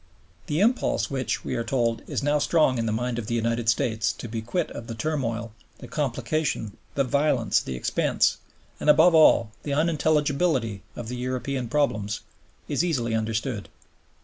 The impulse which, we are told, is now strong in the mind of the United States to be quit of the turmoil, the complication, the violence, the expense, and, above all, the unintelligibility of the European problems, is easily understood.